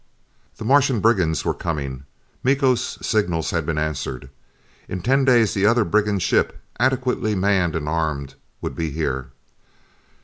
The Martian brigands were coming. Miko's signals had been answered. In ten days the other brigand ship, adequately manned and armed, would be here.